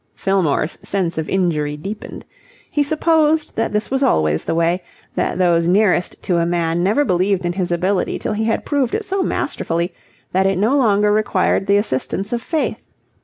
Fillmore's sense of injury deepened. He supposed that this was always the way, that those nearest to a man never believed in his ability till he had proved it so masterfully that it no longer required the assistance of faith.